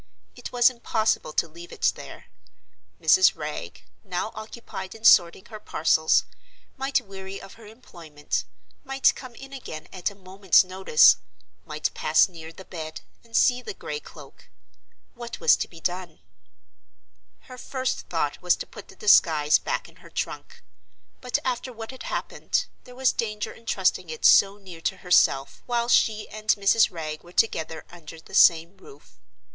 It was impossible to leave it there. Mrs. Wragge (now occupied in sorting her parcels) might weary of her employment, might come in again at a moment's notice, might pass near the bed, and see the gray cloak. What was to be done? Her first thought was to put the disguise back in her trunk. But after what had happened, there was danger in trusting it so near to herself while she and Mrs. Wragge were together under the same roof.